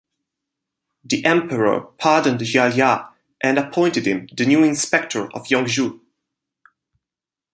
The emperor pardoned Jia Ya and appointed him the new Inspector of Yongzhou.